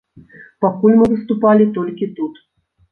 Пакуль мы выступалі толькі тут.